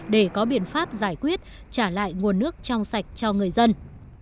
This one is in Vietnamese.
để có biện pháp giải quyết trả lại nguồn nước trong sạch cho người dân